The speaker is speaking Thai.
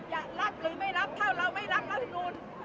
จะรับหรือไม่รับถ้าเราไม่รับรัฐมนูล